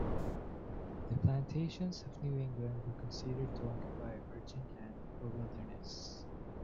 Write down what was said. The Plantations of New England were considered to occupy "virgin" land or wilderness.